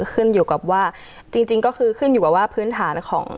ขึ้นอยู่กับว่าจริงก็คือขึ้นอยู่กับว่าพื้นฐานของ